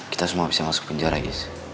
kita semua bisa masuk penjara ya